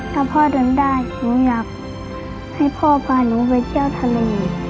ถ้าพ่อเดินได้หนูอยากให้พ่อพาหนูไปเที่ยวทะเล